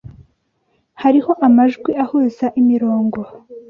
harimo amajwi ahuza imirongo